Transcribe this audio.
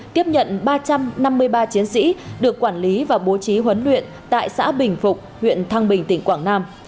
tiếp nhận ba trăm năm mươi ba chiến sĩ được quản lý và bố trí huấn luyện tại xã bình phục huyện thăng bình tỉnh quảng nam